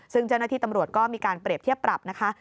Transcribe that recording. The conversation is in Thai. ซึ่งเจ้าหน้าที่ตำรวจก็มีการเปรียบเทียบปรับนะคะ